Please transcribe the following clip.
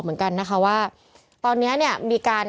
เพื่อไม่ให้เชื้อมันกระจายหรือว่าขยายตัวเพิ่มมากขึ้น